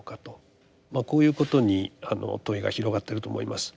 まあこういうことに問いが広がってると思います。